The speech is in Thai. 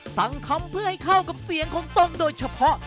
สั่งคำเพื่อให้เข้ากับเสียงของตงโดยเฉพาะ